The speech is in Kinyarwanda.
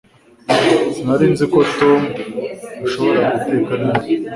Sinari nzi ko Tom ashobora guteka neza